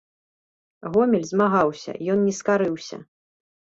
Гомель змагаўся, ён не скарыўся.